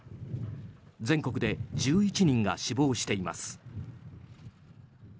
全国で１１人が死亡しています。